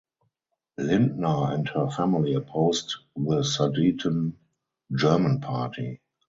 Lindner and her family opposed the Sudeten German Party.